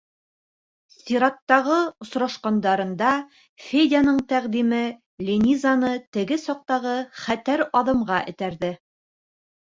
Сираттағы осрашҡандарында Федяның тәҡдиме Линизаны теге саҡтағы хәтәр аҙымға этәрҙе.